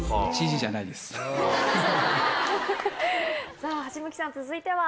さぁ橋向さん続いては？